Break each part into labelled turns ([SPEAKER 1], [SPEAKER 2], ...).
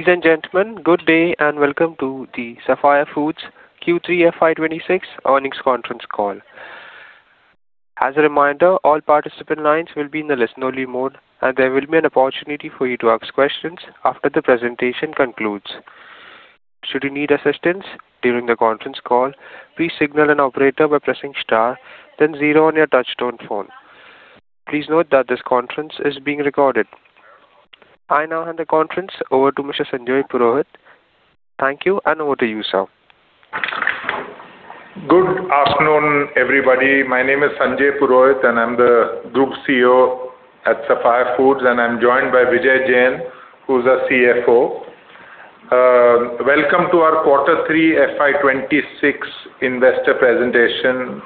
[SPEAKER 1] Ladies and gentlemen, good day and welcome to the Sapphire Foods Q3 FY26 earnings conference call. As a reminder, all participant lines will be in the listen-only mode, and there will be an opportunity for you to ask questions after the presentation concludes. Should you need assistance during the conference call, please signal an operator by pressing star, then zero on your touch-tone phone. Please note that this conference is being recorded. I now hand the conference over to Mr. Sanjay Purohit. Thank you, and over to you, sir.
[SPEAKER 2] Good afternoon, everybody. My name is Sanjay Purohit, and I'm the Group CEO at Sapphire Foods, and I'm joined by Vijay Jain, who's a CFO. Welcome to our Quarter three FY26 investor presentation,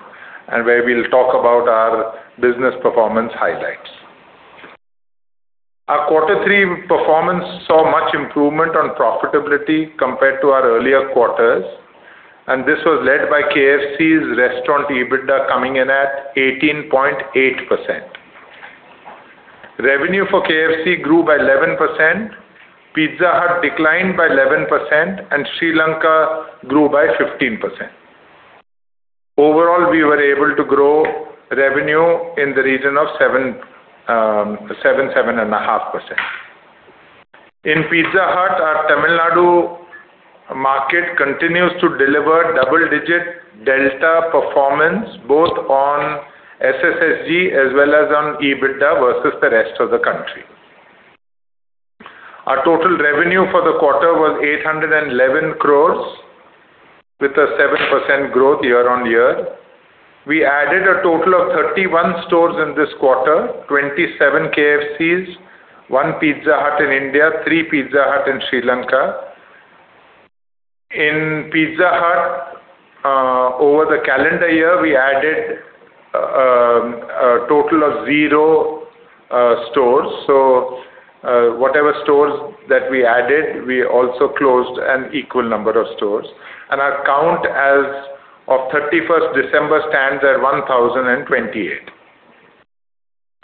[SPEAKER 2] where we'll talk about our business performance highlights. Our Quarter three performance saw much improvement on profitability compared to our earlier quarters, and this was led by KFC's restaurant EBITDA coming in at 18.8%. Revenue for KFC grew by 11%, Pizza Hut declined by 11%, and Sri Lanka grew by 15%. Overall, we were able to grow revenue in the region of 7%-7.5%. In Pizza Hut, our Tamil Nadu market continues to deliver double-digit delta performance, both on SSSG as well as on EBITDA versus the rest of the country. Our total revenue for the quarter was 811 crores, with a 7% growth year-on-year. We added a total of 31 stores in this quarter: 27 KFCs, one Pizza Hut in India, three Pizza Hut in Sri Lanka. In Pizza Hut, over the calendar year, we added a total of 0 stores, so whatever stores that we added, we also closed an equal number of stores, and our count of 31st December stands at 1,028.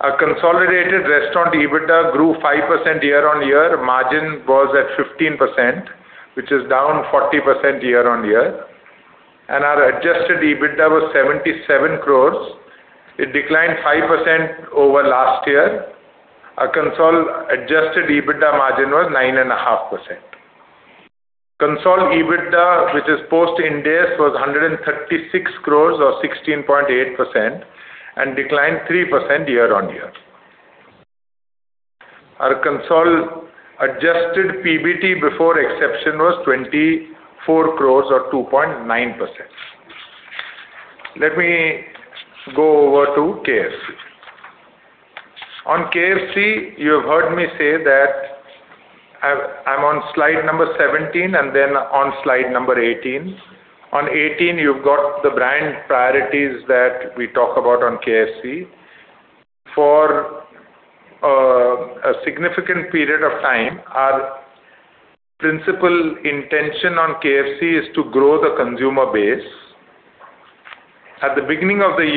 [SPEAKER 2] Our consolidated restaurant EBITDA grew 5% year-on-year. Margin was at 15%, which is down 40% year-on-year. Our adjusted EBITDA was 77 crores. It declined 5% over last year. Our consol adjusted EBITDA margin was 9.5%. Consol EBITDA, which is Post-Ind AS, was 136 crores, or 16.8%, and declined 3% year-on-year. Our consol adjusted PBT before exception was 24 crores, or 2.9%. Let me go over to KFC. On KFC, you have heard me say that I'm on slide number 17 and then on slide number 18. On 18, you've got the brand priorities that we talk about on KFC. For a significant period of time, our principal intention on KFC is to grow the consumer base. At the beginning of the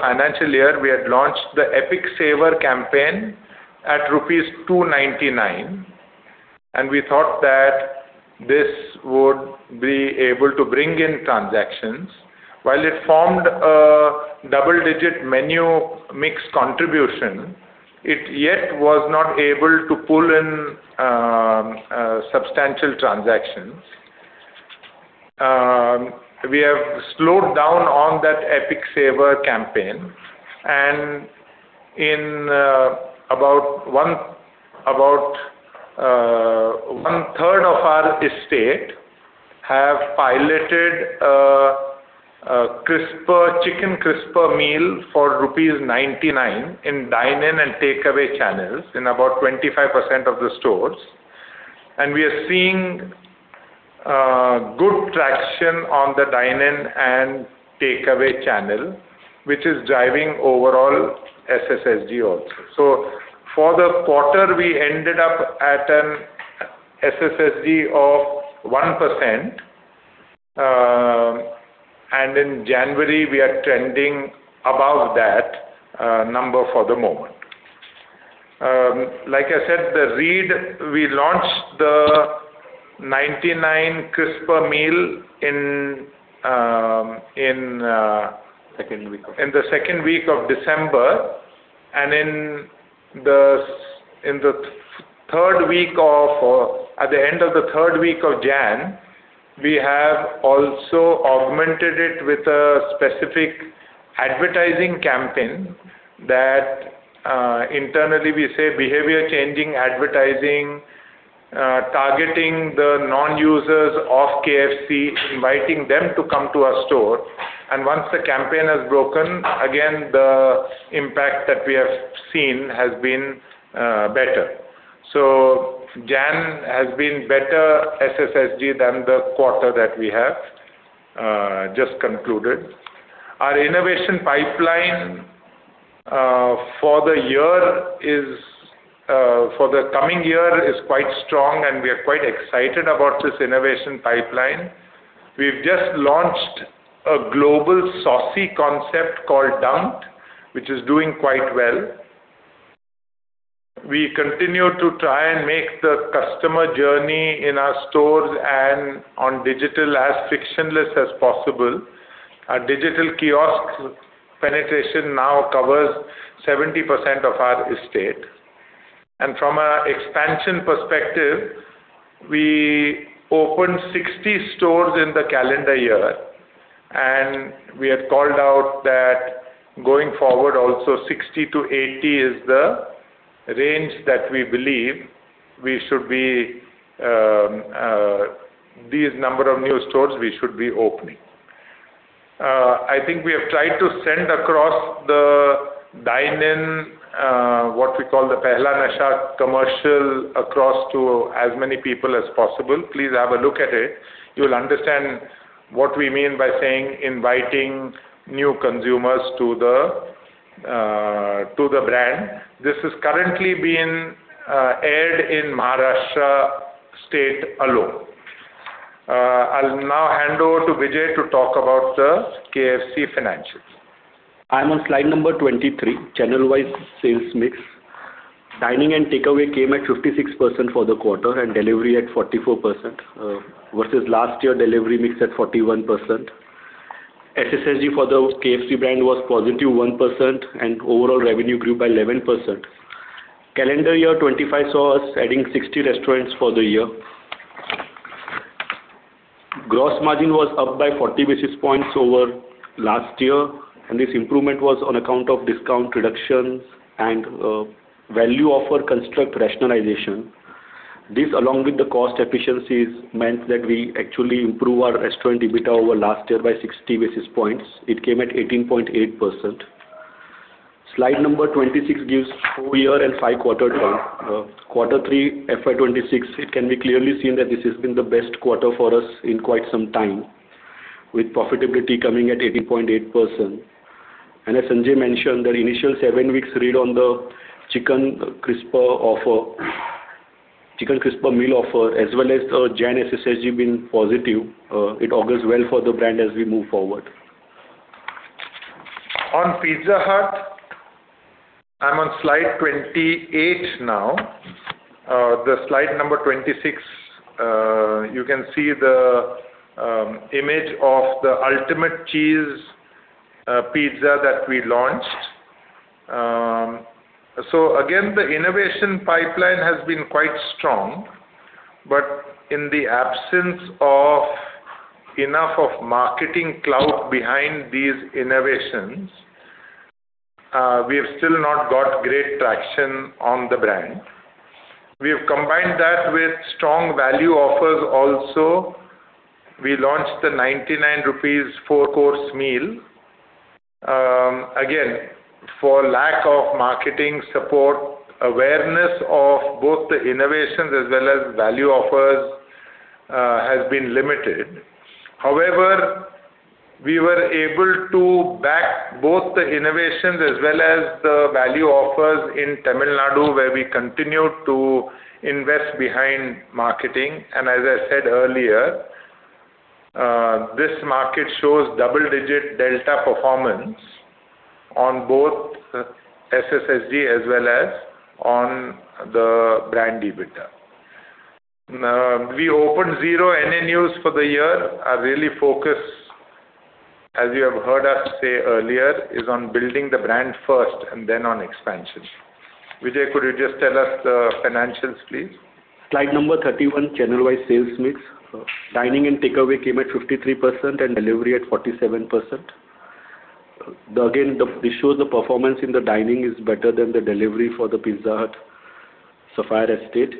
[SPEAKER 2] financial year, we had launched the Epic Saver campaign at rupees 299, and we thought that this would be able to bring in transactions. While it formed a double-digit menu mix contribution, it yet was not able to pull in substantial transactions. We have slowed down on that Epic Saver campaign, and in about one-third of our estate have piloted a Chicken Krisper meal for rupees 99 in dine-in and takeaway channels in about 25% of the stores. And we are seeing good traction on the dine-in and takeaway channel, which is driving overall SSSG also. So for the quarter, we ended up at an SSSG of 1%, and in January, we are trending above that number for the moment. Like I said, the read, we launched the 99 Krisper meal in.
[SPEAKER 3] Second week of.
[SPEAKER 2] In the second week of December, and in the third week of or at the end of the third week of January, we have also augmented it with a specific advertising campaign that internally we say behavior-changing advertising, targeting the non-users of KFC, inviting them to come to our store. Once the campaign has broken, again, the impact that we have seen has been better. So January has been better SSSG than the quarter that we have just concluded. Our innovation pipeline for the year is for the coming year is quite strong, and we are quite excited about this innovation pipeline. We've just launched a global saucy concept called Dunked, which is doing quite well. We continue to try and make the customer journey in our stores and on digital as frictionless as possible. Our digital kiosk penetration now covers 70% of our estate. From an expansion perspective, we opened 60 stores in the calendar year, and we have called out that going forward, also 60-80 is the range that we believe we should be these number of new stores we should be opening. I think we have tried to send across the dine-in, what we call the Pehla Nasha commercial, across to as many people as possible. Please have a look at it. You'll understand what we mean by saying inviting new consumers to the brand. This has currently been aired in Maharashtra state alone. I'll now hand over to Vijay to talk about the KFC financials.
[SPEAKER 3] I'm on slide 23, channel-wise sales mix. Dining and takeaway came at 56% for the quarter and delivery at 44% versus last year delivery mix at 41%. SSSG for the KFC brand was +1%, and overall revenue grew by 11%. Calendar year 2025 saw us adding 60 restaurants for the year. Gross margin was up by 40 basis points over last year, and this improvement was on account of discount reductions and value offer construct rationalization. This, along with the cost efficiencies, meant that we actually improve our restaurant EBITDA over last year by 60 basis points. It came at 18.8%. Slide 26 gives full year and five-quarter term. Quarter 3 FY26, it can be clearly seen that this has been the best quarter for us in quite some time, with profitability coming at 18.8%. As Sanjay mentioned, the initial seven weeks read on the Chicken Krisper offer, Chicken Krisper meal offer, as well as the Jan SSSG been positive. It augurs well for the brand as we move forward.
[SPEAKER 2] On Pizza Hut, I'm on slide 28 now. The slide number 26, you can see the image of the Ultimate Cheese Pizza that we launched. So again, the innovation pipeline has been quite strong, but in the absence of enough of marketing clout behind these innovations, we have still not got great traction on the brand. We have combined that with strong value offers also. We launched the 99 rupees four-course meal. Again, for lack of marketing support, awareness of both the innovations as well as value offers has been limited. However, we were able to back both the innovations as well as the value offers in Tamil Nadu, where we continue to invest behind marketing. As I said earlier, this market shows double-digit delta performance on both SSSG as well as on the brand EBITDA. We opened 0 NNUs for the year. Our real focus, as you have heard us say earlier, is on building the brand first and then on expansion. Vijay, could you just tell us the financials, please?
[SPEAKER 3] Slide number 31, channel-wise sales mix. Dining and takeaway came at 53% and delivery at 47%. Again, this shows the performance in the dining is better than the delivery for the Pizza Hut Sapphire estate.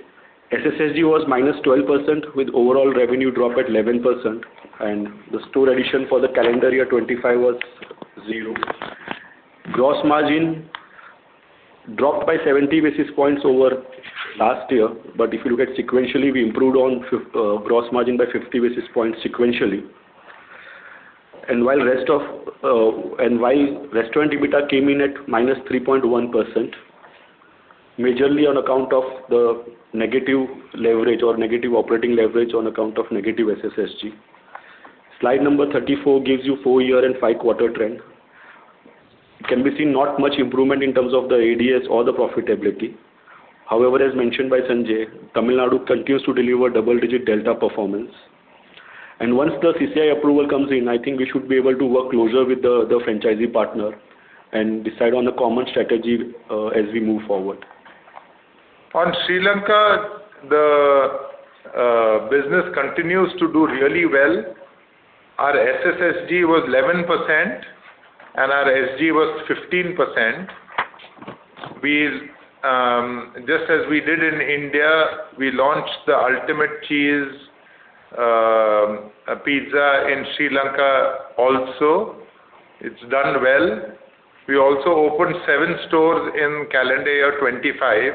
[SPEAKER 3] SSSG was -12% with overall revenue drop at 11%, and the store addition for the calendar year 2025 was zero. Gross margin dropped by 70 basis points over last year, but if you look at sequentially, we improved on gross margin by 50 basis points sequentially. And while restaurant EBITDA came in at -3.1%, majorly on account of the negative leverage or negative operating leverage on account of negative SSSG. Slide number 34 gives you full year and five-quarter trend. It can be seen not much improvement in terms of the ADS or the profitability. However, as mentioned by Sanjay, Tamil Nadu continues to deliver double-digit delta performance. Once the CCI approval comes in, I think we should be able to work closer with the franchisee partner and decide on a common strategy as we move forward.
[SPEAKER 2] On Sri Lanka, the business continues to do really well. Our SSSG was 11%, and our SG was 15%. Just as we did in India, we launched the Ultimate Cheese Pizza in Sri Lanka also. It's done well. We also opened 7 stores in calendar year 2025,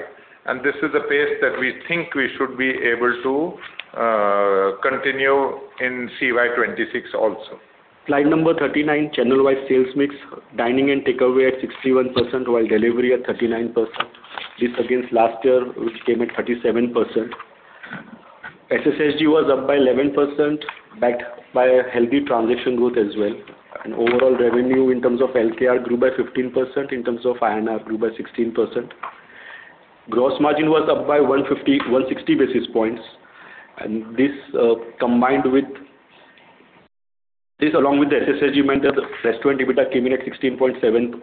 [SPEAKER 2] and this is a pace that we think we should be able to continue in CY 2026 also.
[SPEAKER 3] Slide number 39, channel-wise sales mix. Dining and takeaway at 61% while delivery at 39%. This against last year, which came at 37%. SSSG was up by 11% backed by healthy transaction growth as well. And overall revenue in terms of LKR grew by 15%. In terms of INR, grew by 16%. Gross margin was up by 160 basis points. And this combined with this, along with the SSSG meant that the restaurant EBITDA came in at 16.7%.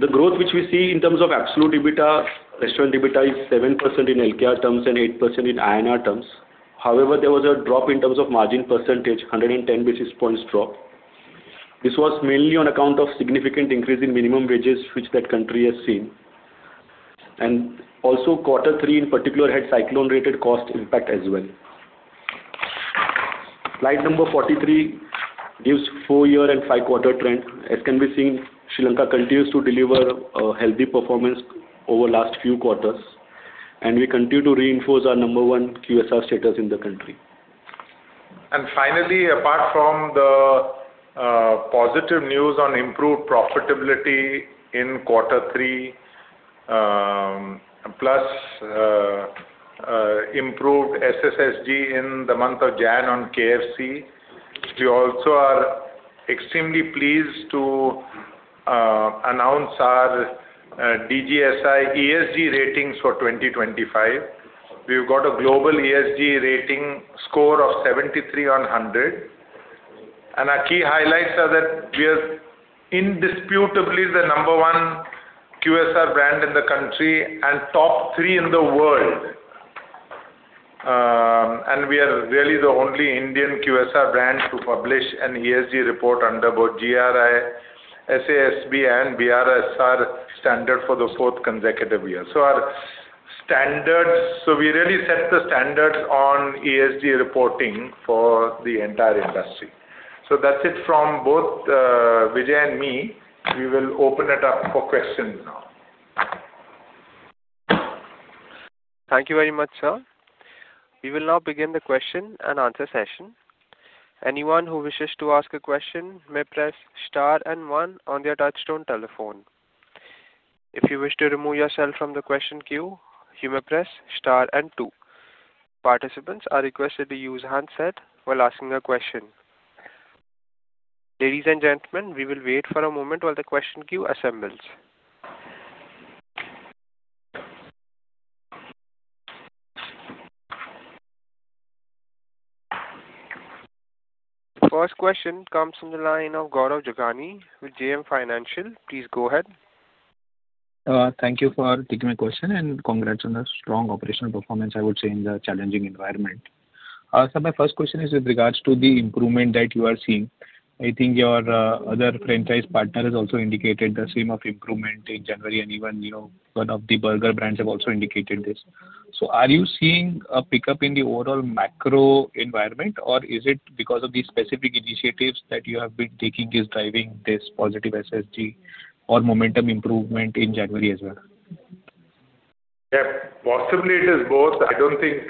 [SPEAKER 3] The growth which we see in terms of absolute EBITDA, restaurant EBITDA is 7% in LKR terms and 8% in INR terms. However, there was a drop in terms of margin percentage, 110 basis points drop. This was mainly on account of significant increase in minimum wages which that country has seen. And also, quarter 3 in particular had cyclone-related cost impact as well. Slide number 43 gives full year and five-quarter trend. As can be seen, Sri Lanka continues to deliver healthy performance over last few quarters, and we continue to reinforce our number one QSR status in the country.
[SPEAKER 2] Finally, apart from the positive news on improved profitability in quarter 3+ improved SSSG in the month of January on KFC, we also are extremely pleased to announce our DJSI ESG ratings for 2025. We've got a global ESG rating score of 73 on 100. Our key highlights are that we are indisputably the number one QSR brand in the country and top three in the world. And we are really the only Indian QSR brand to publish an ESG report under both GRI, SASB, and BRSR standard for the fourth consecutive year. So our standards so we really set the standards on ESG reporting for the entire industry. So that's it from both Vijay and me. We will open it up for questions now.
[SPEAKER 1] Thank you very much, sir. We will now begin the question and answer session. Anyone who wishes to ask a question may press star and one on their touch-tone telephone. If you wish to remove yourself from the question queue, you may press star and two. Participants are requested to use handset while asking a question. Ladies and gentlemen, we will wait for a moment while the question queue assembles. First question comes from the line of Gaurav Jagani with JM Financial. Please go ahead.
[SPEAKER 4] Thank you for taking my question, and congrats on the strong operational performance, I would say, in the challenging environment. Sir, my first question is with regards to the improvement that you are seeing. I think your other franchise partner has also indicated the same of improvement in January, and even one of the burger brands have also indicated this. So are you seeing a pickup in the overall macro environment, or is it because of these specific initiatives that you have been taking is driving this positive SSG or momentum improvement in January as well?
[SPEAKER 2] Yeah, possibly it is both. I don't think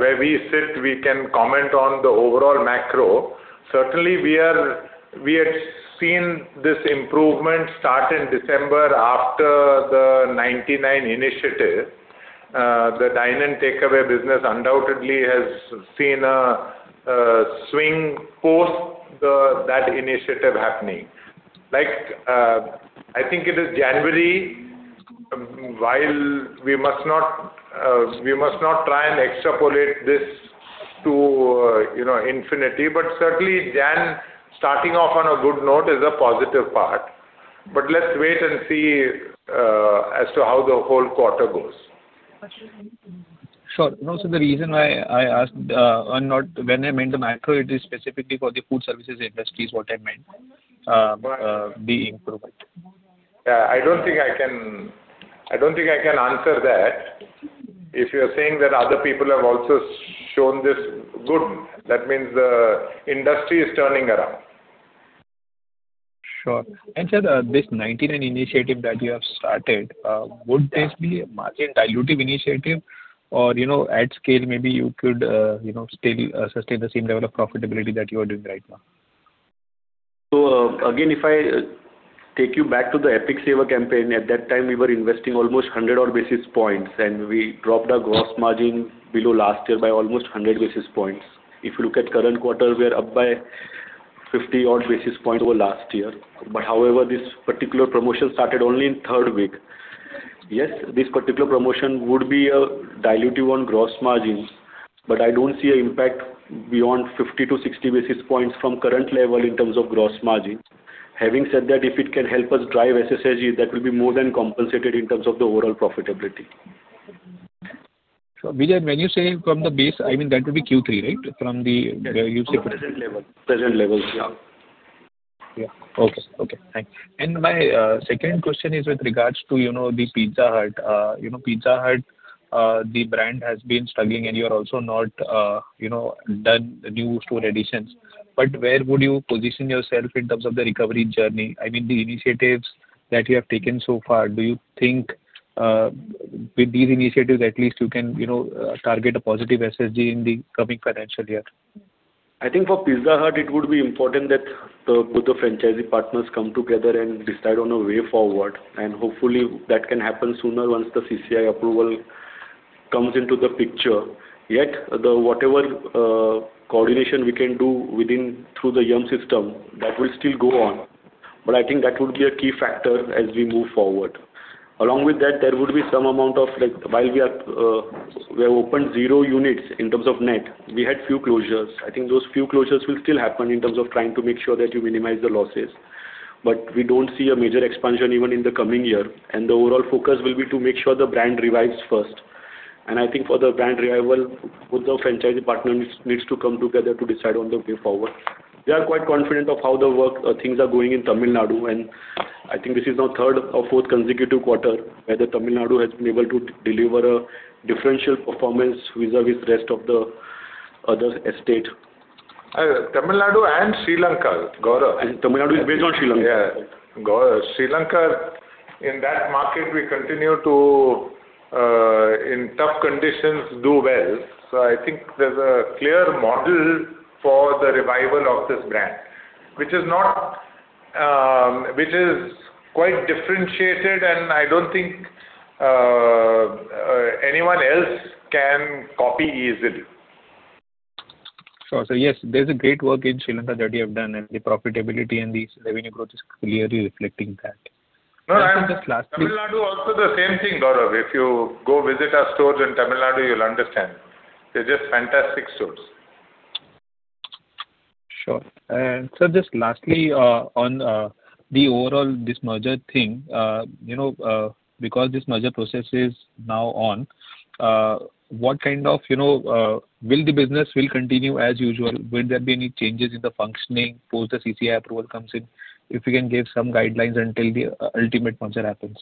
[SPEAKER 2] where we sit, we can comment on the overall macro. Certainly, we had seen this improvement start in December after the 99 initiative. The dine-and-takeaway business undoubtedly has seen a swing post that initiative happening. I think it is January, while we must not try and extrapolate this to infinity, but certainly, January, starting off on a good note is a positive part. Let's wait and see as to how the whole quarter goes.
[SPEAKER 4] Sure. Also, the reason why I asked and not what I meant the macro, it is specifically for the food services industries what I meant the improvement.
[SPEAKER 2] Yeah, I don't think I can answer that. If you're saying that other people have also shown this good, that means the industry is turning around.
[SPEAKER 4] Sure. And sir, this 99 initiative that you have started, would this be a margin dilutive initiative, or at scale, maybe you could still sustain the same level of profitability that you are doing right now?
[SPEAKER 2] So again, if I take you back to the Epic Saver campaign, at that time, we were investing almost 100-odd basis points, and we dropped our gross margin below last year by almost 100 basis points. If you look at current quarter, we are up by 50-odd basis points over last year. But however, this particular promotion started only in third week. Yes, this particular promotion would be dilutive on gross margins, but I don't see an impact beyond 50 basis points-60 basis points from current level in terms of gross margin. Having said that, if it can help us drive SSSG, that will be more than compensated in terms of the overall profitability.
[SPEAKER 4] So, Vijay, when you say from the base, I mean, that would be Q3, right, from the where you say.
[SPEAKER 3] Present level. Present levels. Yeah. Yeah.
[SPEAKER 4] Okay. Okay. Thanks. And my second question is with regards to the Pizza Hut. Pizza Hut, the brand has been struggling, and you are also not done new store additions. But where would you position yourself in terms of the recovery journey? I mean, the initiatives that you have taken so far, do you think with these initiatives, at least, you can target a positive SSG in the coming financial year?
[SPEAKER 2] I think for Pizza Hut, it would be important that both the franchisee partners come together and decide on a way forward. Hopefully, that can happen sooner once the CCI approval comes into the picture. Yet, whatever coordination we can do within through the Yum system, that will still go on. But I think that would be a key factor as we move forward. Along with that, there would be some amount of while we have opened 0 units in terms of net, we had few closures. I think those few closures will still happen in terms of trying to make sure that you minimize the losses. But we don't see a major expansion even in the coming year, and the overall focus will be to make sure the brand revives first. I think for the brand revival, both the franchisee partner needs to come together to decide on the way forward. We are quite confident of how things are working in Tamil Nadu, and I think this is now third or fourth consecutive quarter where Tamil Nadu has been able to deliver a differential performance vis-à-vis the rest of the other state.
[SPEAKER 3] Tamil Nadu and Sri Lanka, Gaurav.
[SPEAKER 2] Tamil Nadu is based on Sri Lanka.
[SPEAKER 3] Yeah. Sri Lanka, in that market, we continue to, in tough conditions, do well. So I think there's a clear model for the revival of this brand, which is quite differentiated, and I don't think anyone else can copy easily.
[SPEAKER 4] Sure. So yes, there's a great work in Sri Lanka that you have done, and the profitability and these revenue growth is clearly reflecting that.
[SPEAKER 2] No, I'm.
[SPEAKER 4] And so, just lastly.
[SPEAKER 2] Tamil Nadu also the same thing, Gaurav. If you go visit our stores in Tamil Nadu, you'll understand. They're just fantastic stores.
[SPEAKER 4] Sure. Sir, just lastly, on the overall this merger thing, because this merger process is now on, what kind of will the business continue as usual? Will there be any changes in the functioning post the CCI approval comes in? If you can give some guidelines until the ultimate merger happens?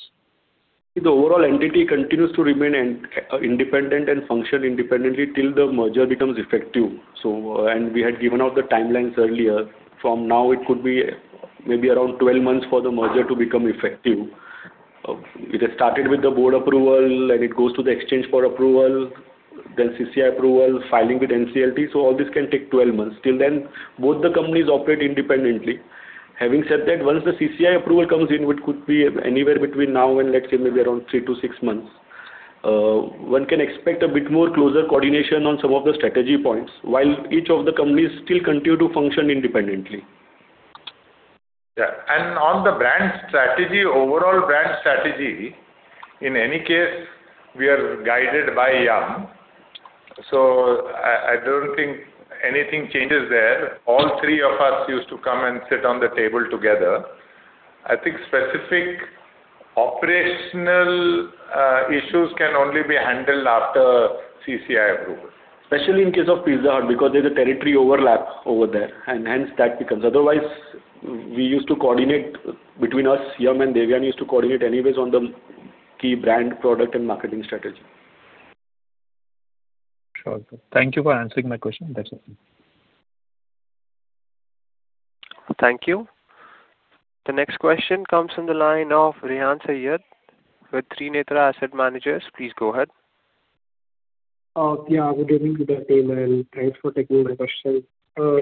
[SPEAKER 2] The overall entity continues to remain independent and function independently till the merger becomes effective. We had given out the timelines earlier. From now, it could be maybe around 12 months for the merger to become effective. It has started with the board approval, and it goes to the exchange board approval, then CCI approval, filing with NCLT. All this can take 12 months. Till then, both the companies operate independently. Having said that, once the CCI approval comes in, it could be anywhere between now and, let's say, maybe around 3-6 months. One can expect a bit more closer coordination on some of the strategy points while each of the companies still continue to function independently. Yeah. On the brand strategy, overall brand strategy, in any case, we are guided by YUM. So I don't think anything changes there. All three of us used to come and sit on the table together. I think specific operational issues can only be handled after CCI approval.
[SPEAKER 3] Especially in case of Pizza Hut because there's a territory overlap over there, and hence that becomes otherwise, we used to coordinate between us. Yum and Devyani used to coordinate anyways on the key brand, product, and marketing strategy.
[SPEAKER 4] Sure. Thank you for answering my question. That's it.
[SPEAKER 1] Thank you. The next question comes from the line of Rehan Saiyyed with Trinetra Investment Management. Please go ahead.
[SPEAKER 5] Yeah, good evening to the team, and thanks for taking my question. So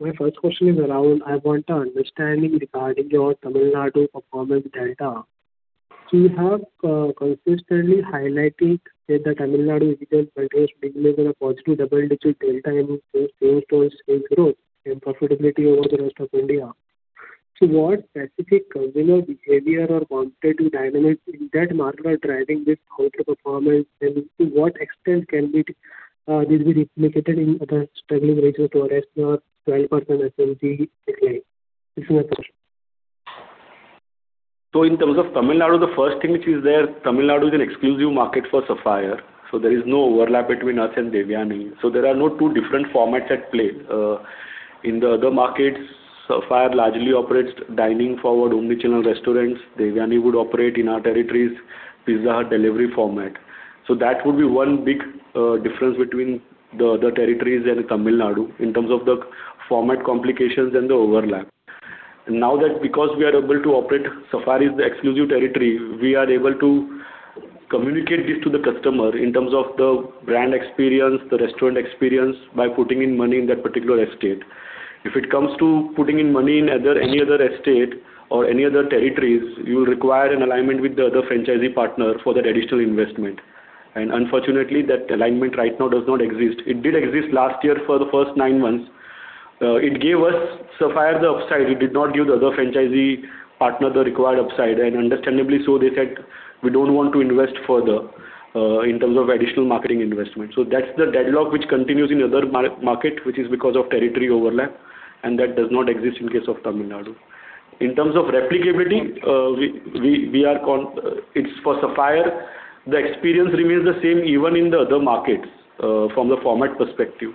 [SPEAKER 5] my first question is around I want to understand regarding your Tamil Nadu performance delta. So you have consistently highlighted that Tamil Nadu region continues to be a positive double-digit delta in same-store sales growth and profitability over the rest of India. So what specific consumer behavior or quantitative dynamics in that market are driving this outperformance, and to what extent can this be replicated in other struggling regions to arrest your 12% SSSG decline? This is my question.
[SPEAKER 2] In terms of Tamil Nadu, the first thing which is there, Tamil Nadu is an exclusive market for Sapphire. There is no overlap between us and Devyani. There are no two different formats at play. In the other markets, Sapphire largely operates dining-forward omnichannel restaurants. Devyani would operate in our territories Pizza Hut delivery format. That would be one big difference between the other territories and Tamil Nadu in terms of the format complications and the overlap. Now that because we are able to operate Sapphire is the exclusive territory, we are able to communicate this to the customer in terms of the brand experience, the restaurant experience by putting in money in that particular state. If it comes to putting in money in any other state or any other territories, you will require an alignment with the other franchisee partner for that additional investment. Unfortunately, that alignment right now does not exist. It did exist last year for the first nine months. It gave us Sapphire the upside. It did not give the other franchisee partner the required upside. And understandably, so they said, "We don't want to invest further in terms of additional marketing investment." So that's the deadlock which continues in other market, which is because of territory overlap, and that does not exist in case of Tamil Nadu. In terms of replicability, it's for Sapphire. The experience remains the same even in the other markets from the format perspective.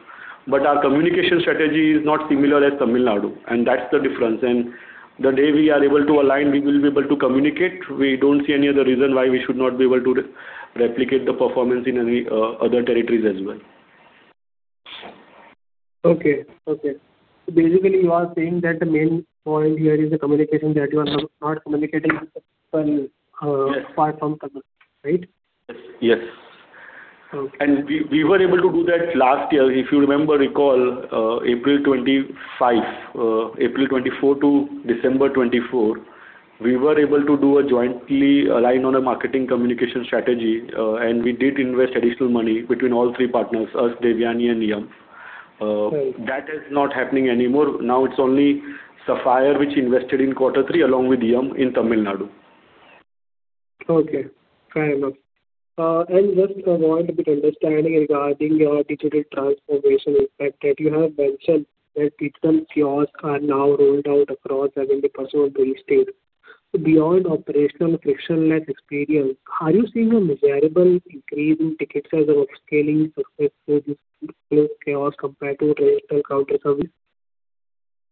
[SPEAKER 2] But our communication strategy is not similar as Tamil Nadu, and that's the difference. And the day we are able to align, we will be able to communicate. We don't see any other reason why we should not be able to replicate the performance in any other territories as well.
[SPEAKER 5] Okay. Okay. So basically, you are saying that the main point here is the communication that you are not communicating apart from Tamil Nadu, right?
[SPEAKER 2] Yes. Yes. And we were able to do that last year. If you remember, recall April 2024 to December 2024, we were able to do a jointly aligned on a marketing communication strategy, and we did invest additional money between all three partners, us, Devyani, and YUM. That is not happening anymore. Now, it's only Sapphire which invested in quarter three along with YUM in Tamil Nadu.
[SPEAKER 5] Okay. Fair enough. Just a point of understanding regarding your digital transformation impact that you have mentioned that Pizza Hut kiosks are now rolled out across 70% of the estate. So beyond operational frictionless experience, are you seeing a measurable increase in ticket size of upscaling successfully through this kiosk compared to traditional counter service?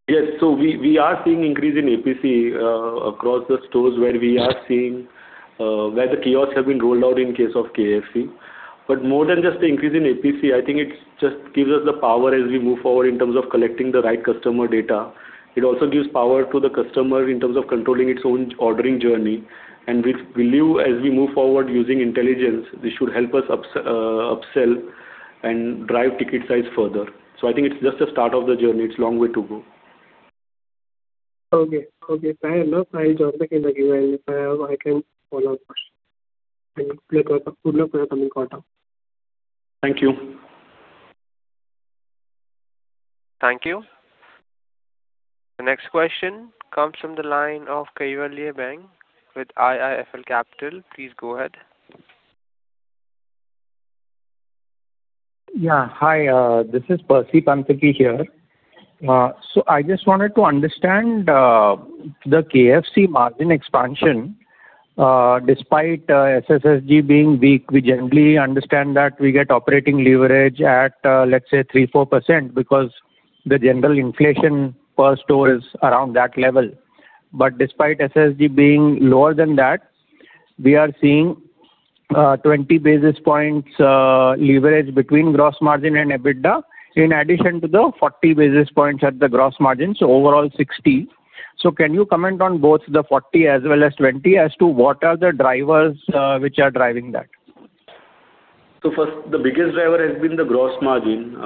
[SPEAKER 2] Yes. So we are seeing increase in APC across the stores where we are seeing the kiosks have been rolled out in case of KFC. But more than just the increase in APC, I think it just gives us the power as we move forward in terms of collecting the right customer data. It also gives power to the customer in terms of controlling its own ordering journey. And we believe as we move forward using intelligence, this should help us upsell and drive ticket size further. So I think it's just the start of the journey. It's a long way to go.
[SPEAKER 5] Okay. Okay. Fair enough. I'll jump back in again if I can follow up questions. Good luck with the coming quarter.
[SPEAKER 2] Thank you.
[SPEAKER 1] Thank you. The next question comes from the line of Percy Panthaki with IIFL Securities. Please go ahead.
[SPEAKER 6] Yeah. Hi. This is Percy Panthaki here. So I just wanted to understand the KFC margin expansion despite SSSG being weak. We generally understand that we get operating leverage at, let's say, 3%-4% because the general inflation per store is around that level. But despite SSSG being lower than that, we are seeing 20 basis points leverage between gross margin and EBITDA in addition to the 40 basis points at the gross margin. So overall, 60 basis points. So can you comment on both the 40 basis points as well as 20 basis points as to what are the drivers which are driving that?
[SPEAKER 2] So first, the biggest driver has been the gross margin,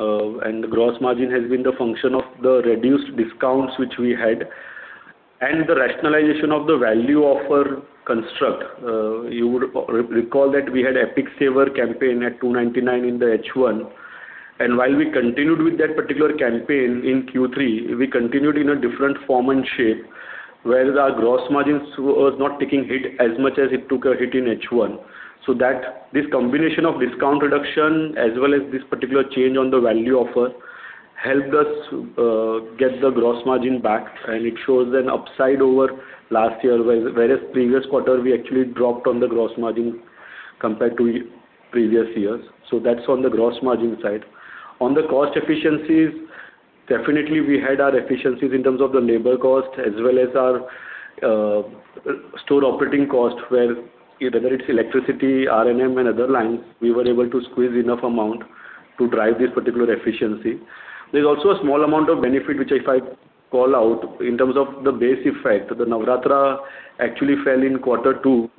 [SPEAKER 2] and the gross margin has been the function of the reduced discounts which we had and the rationalization of the value offer construct. You would recall that we had Epic Saver campaign at 299 in the H1. And while we continued with that particular campaign in Q3, we continued in a different form and shape where our gross margins were not taking hit as much as it took a hit in H1. So this combination of discount reduction as well as this particular change on the value offer helped us get the gross margin back, and it shows an upside over last year whereas previous quarter, we actually dropped on the gross margin compared to previous years. So that's on the gross margin side. On the cost efficiencies, definitely, we had our efficiencies in terms of the labor cost as well as our store operating cost where whether it's electricity, R&M, and other lines, we were able to squeeze enough amount to drive this particular efficiency. There's also a small amount of benefit which if I call out in terms of the base effect, the Navratri actually fell in quarter two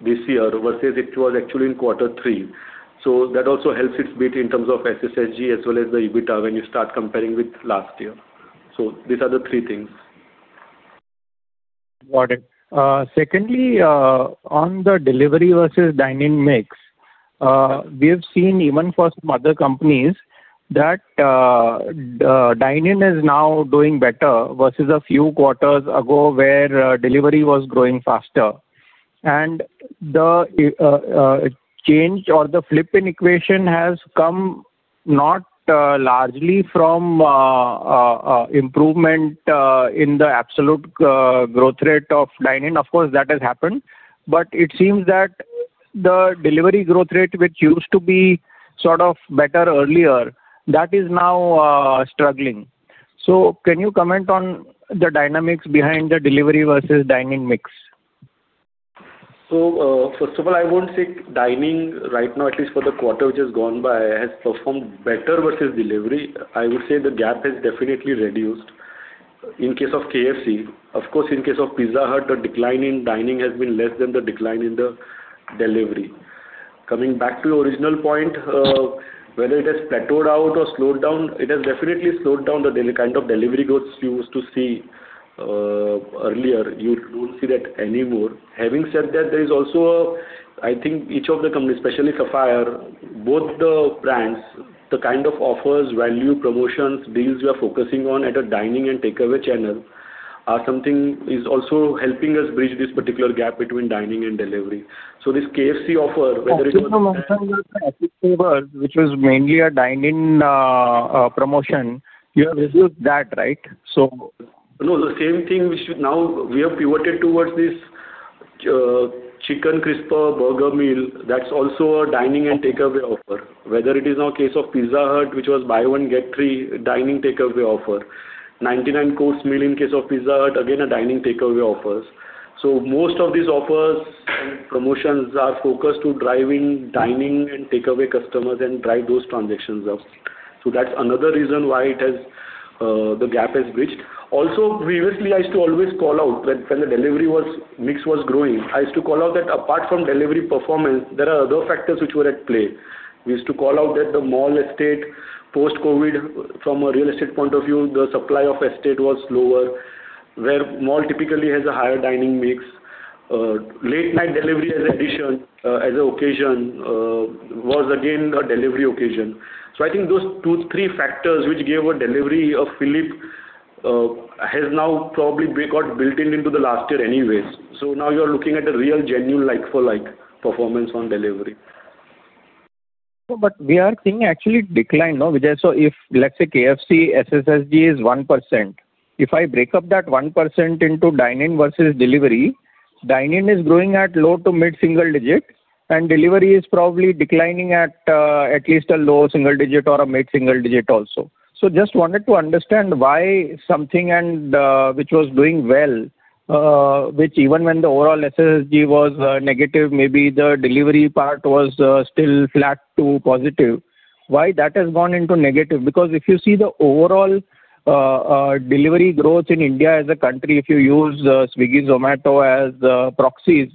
[SPEAKER 2] this year versus it was actually in quarter three. So that also helps its beat in terms of SSSG as well as the EBITDA when you start comparing with last year. So these are the three things.
[SPEAKER 6] Got it. Secondly, on the delivery versus dining mix, we have seen even for some other companies that dining is now doing better versus a few quarters ago where delivery was growing faster. The change or the flip in equation has come not largely from improvement in the absolute growth rate of dining. Of course, that has happened, but it seems that the delivery growth rate which used to be sort of better earlier, that is now struggling. Can you comment on the dynamics behind the delivery versus dining mix?
[SPEAKER 2] So first of all, I won't say dining right now, at least for the quarter which has gone by, has performed better versus delivery. I would say the gap has definitely reduced. In case of KFC, of course, in case of Pizza Hut, the decline in dining has been less than the decline in the delivery. Coming back to your original point, whether it has plateaued out or slowed down, it has definitely slowed down the kind of delivery growth you used to see earlier. You don't see that anymore. Having said that, there is also, I think, each of the companies, especially Sapphire, both the brands, the kind of offers, value, promotions, deals you are focusing on at a dining and takeaway channel is also helping us bridge this particular gap between dining and delivery. So this KFC offer, whether it was.
[SPEAKER 6] Just to mention about the Epic Saver which was mainly a dining promotion, you have reserved that, right? So.
[SPEAKER 2] No, the same thing which now we have pivoted towards this Chicken Krisper burger meal. That's also a dining and takeaway offer. Whether it is now case of Pizza Hut which was buy one, get three, dining takeaway offer, 99 course meal in case of Pizza Hut, again, a dining takeaway offers. So most of these offers and promotions are focused to drive in dining and takeaway customers and drive those transactions up. So that's another reason why the gap has bridged. Also, previously, I used to always call out when the delivery mix was growing, I used to call out that apart from delivery performance, there are other factors which were at play. We used to call out that the mall estate post-COVID, from a real estate point of view, the supply of estate was lower where mall typically has a higher dining mix. Late-night delivery as an addition, as an occasion, was again a delivery occasion. So I think those two, three factors which gave a delivery a flip has now probably got built in into the last year anyways. So now you are looking at a real genuine like-for-like performance on delivery.
[SPEAKER 6] But we are seeing actually decline now which I saw if, let's say, KFC SSSG is 1%. If I break up that 1% into dining versus delivery, dining is growing at low- to mid-single-digit, and delivery is probably declining at least a low single digit or a mid single digit also. So just wanted to understand why something which was doing well, which even when the overall SSSG was negative, maybe the delivery part was still flat to positive, why that has gone into negative. Because if you see the overall delivery growth in India as a country, if you use Swiggy, Zomato as proxies,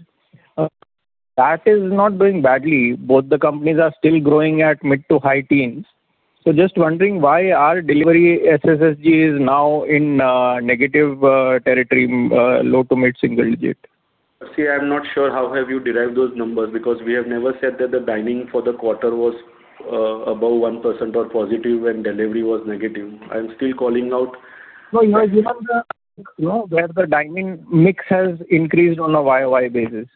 [SPEAKER 6] that is not doing badly. Both the companies are still growing at mid- to high-teens. So just wondering why our delivery SSSG is now in negative territory, low- to mid-single-digit.
[SPEAKER 3] Percy, I'm not sure how have you derived those numbers because we have never said that the dining for the quarter was above 1% or positive and delivery was negative. I'm still calling out.
[SPEAKER 6] No, you are giving the where the dining mix has increased on a YOY basis.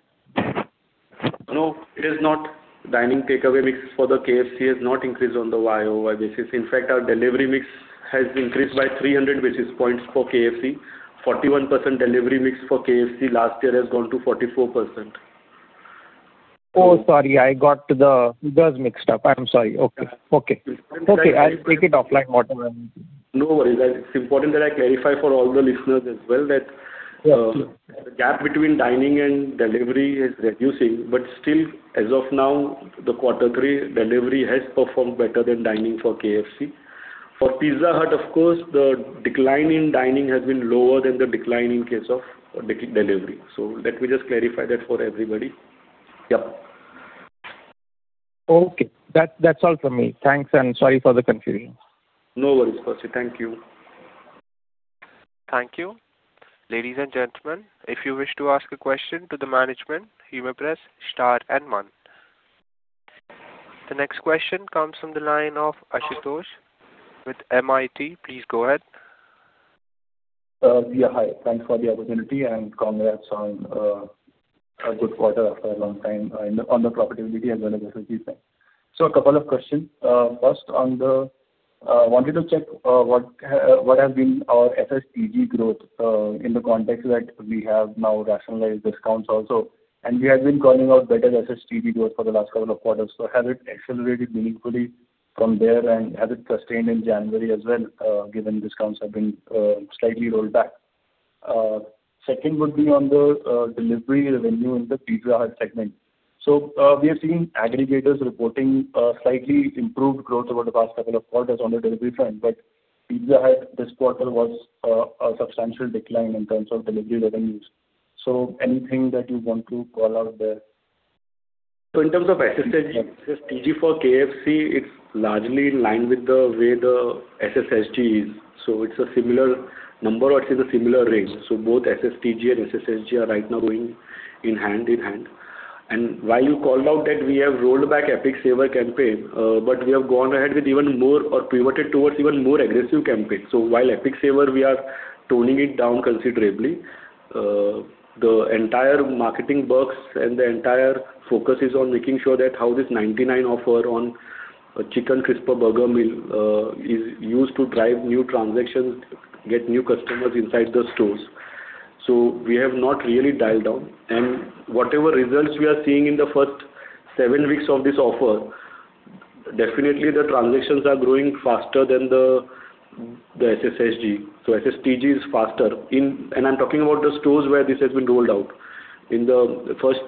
[SPEAKER 2] No, it is not. Dining takeaway mix for the KFC has not increased on the year-over-year basis. In fact, our delivery mix has increased by 300 basis points for KFC. 41% delivery mix for KFC last year has gone to 44%.
[SPEAKER 6] Oh, sorry. I got the girls mixed up. I'm sorry. Okay. Okay. Okay. I'll take it offline water.
[SPEAKER 2] No worries. It's important that I clarify for all the listeners as well that the gap between dining and delivery is reducing. Still, as of now, the quarter three, delivery has performed better than dining for KFC. For Pizza Hut, of course, the decline in dining has been lower than the decline in case of delivery. Let me just clarify that for everybody. Yep.
[SPEAKER 6] Okay. That's all from me. Thanks, and sorry for the confusion.
[SPEAKER 2] No worries, Percy. Thank you.
[SPEAKER 1] Thank you. Ladies and gentlemen, if you wish to ask a question to the management, you may press star and one. The next question comes from the line of Ashutosh Shyam. Please go ahead.
[SPEAKER 7] Yeah. Hi. Thanks for the opportunity, and congrats on a good quarter after a long time on the profitability as well as SSSG. So a couple of questions. First, I wanted to check what has been our SSTG growth in the context that we have now rationalized discounts also. And we have been calling out better SSTG growth for the last couple of quarters. So has it accelerated meaningfully from there, and has it sustained in January as well given discounts have been slightly rolled back? Second would be on the delivery revenue in the Pizza Hut segment. So we have seen aggregators reporting slightly improved growth over the past couple of quarters on the delivery front, but Pizza Hut, this quarter, was a substantial decline in terms of delivery revenues. So anything that you want to call out there?
[SPEAKER 2] So in terms of SSSG, SSTG for KFC, it's largely in line with the way the SSSG is. So it's a similar number or it's in a similar range. So both SSTG and SSSG are right now going hand in hand. And while you called out that we have rolled back Epic Saver campaign, but we have gone ahead with even more or pivoted towards even more aggressive campaigns. So while Epic Saver, we are toning it down considerably, the entire marketing works and the entire focus is on making sure that how this 99 offer on Chicken Krisper burger meal is used to drive new transactions, get new customers inside the stores. So we have not really dialed down. And whatever results we are seeing in the first seven weeks of this offer, definitely, the transactions are growing faster than the SSSG. So SSTG is faster. I'm talking about the stores where this has been rolled out. In the first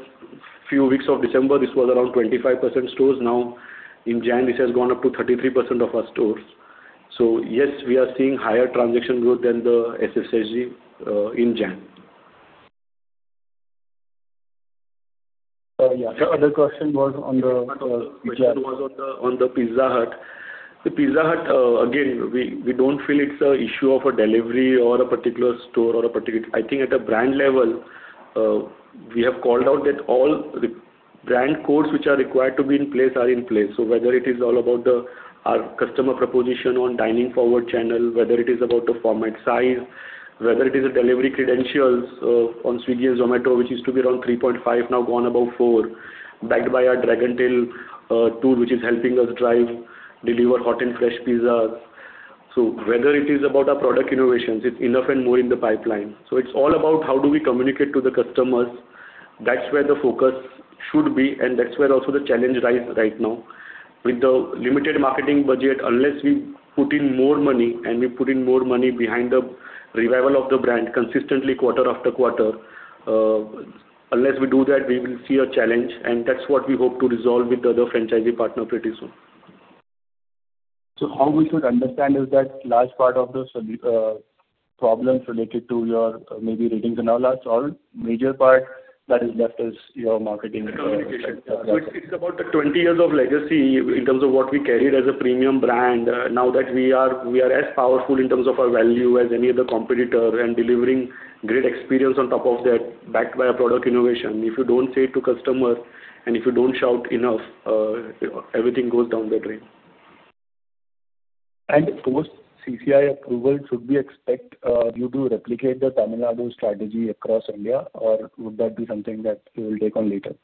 [SPEAKER 2] few weeks of December, this was around 25% stores. Now in January, this has gone up to 33% of our stores. So yes, we are seeing higher transaction growth than the SSSG in January.
[SPEAKER 7] Sorry. The other question was on the.
[SPEAKER 2] The question was on the Pizza Hut. The Pizza Hut, again, we don't feel it's an issue of a delivery or a particular store or a particular I think at a brand level, we have called out that all brand codes which are required to be in place are in place. So whether it is all about our customer proposition on dining forward channel, whether it is about the format size, whether it is the delivery credentials on Swiggy and Zomato which used to be around 3.5, now gone about 4, backed by our Dragontail tool which is helping us drive, deliver hot and fresh pizzas. So whether it is about our product innovations, it's enough and more in the pipeline. So it's all about how do we communicate to the customers. That's where the focus should be, and that's where also the challenge rises right now. With the limited marketing budget, unless we put in more money and we put in more money behind the revival of the brand consistently quarter after quarter, unless we do that, we will see a challenge. That's what we hope to resolve with the other franchisee partner pretty soon.
[SPEAKER 7] So, how we should understand is that large part of the problems related to your margin cannibalization or major part that is left is your marketing.
[SPEAKER 2] The communication. So it's about the 20 years of legacy in terms of what we carried as a premium brand. Now that we are as powerful in terms of our value as any other competitor and delivering great experience on top of that backed by a product innovation, if you don't say it to customer and if you don't shout enough, everything goes down the drain.
[SPEAKER 7] Post-CCI approval, should we expect you to replicate the Tamil Nadu strategy across India, or would that be something that you will take on later?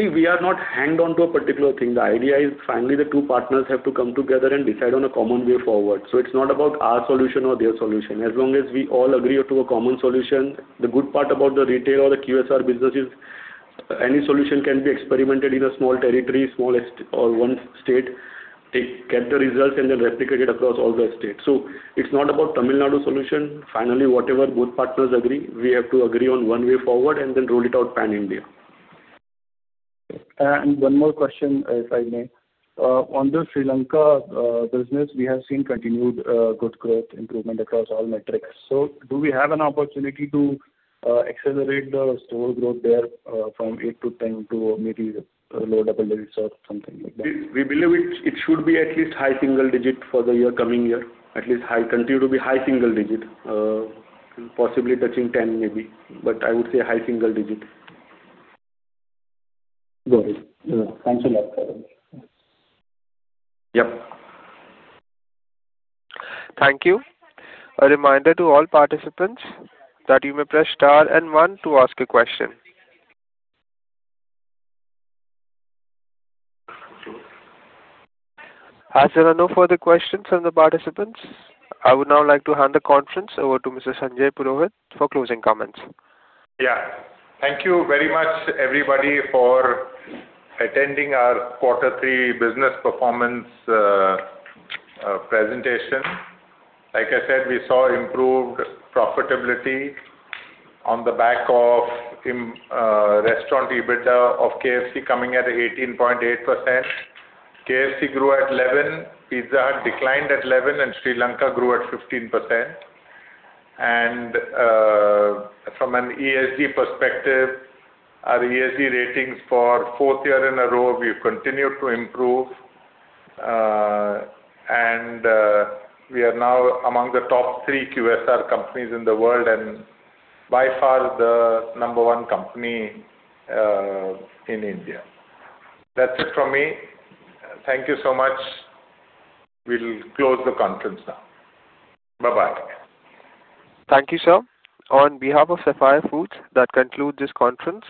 [SPEAKER 2] See, we are not hanging on to a particular thing. The idea is finally the two partners have to come together and decide on a common way forward. So it's not about our solution or their solution. As long as we all agree to a common solution, the good part about the retail or the QSR business is any solution can be experimented in a small territory, small or one state, get the results, and then replicate it across all the states. So it's not about Tamil Nadu solution. Finally, whatever both partners agree, we have to agree on one way forward and then roll it out pan-India.
[SPEAKER 7] One more question if I may. On the Sri Lanka business, we have seen continued good growth improvement across all metrics. So do we have an opportunity to accelerate the store growth there from 8-10 to maybe low double digits or something like that?
[SPEAKER 2] We believe it should be at least high single digit for the coming year, at least continue to be high single digit, possibly touching 10 maybe. But I would say high single digit.
[SPEAKER 7] Got it. Thanks a lot, Kaval.
[SPEAKER 2] Yep.
[SPEAKER 1] Thank you. A reminder to all participants that you may press star and one to ask a question. Has there been no further questions from the participants? I would now like to hand the conference over to Mr. Sanjay Purohit for closing comments.
[SPEAKER 2] Yeah. Thank you very much, everybody, for attending our quarter three business performance presentation. Like I said, we saw improved profitability on the back of restaurant EBITDA of KFC coming at 18.8%. KFC grew at 11%, Pizza Hut declined at 11%, and Sri Lanka grew at 15%. From an ESG perspective, our ESG ratings for fourth year in a row, we've continued to improve. We are now among the top three QSR companies in the world and by far the number one company in India. That's it from me. Thank you so much. We'll close the conference now. Bye-bye.
[SPEAKER 1] Thank you, sir. On behalf of Sapphire Foods, that concludes this conference.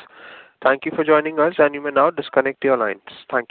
[SPEAKER 1] Thank you for joining us, and you may now disconnect your lines. Thank you.